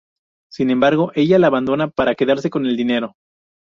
Sin embargo, ella la abandona para quedarse con el dinero.